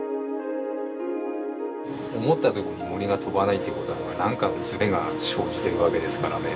思ったとこに銛が飛ばないってことは何かのずれが生じてるわけですからね。